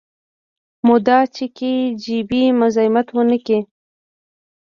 مدا چې کي جي بي مزايمت ونکي.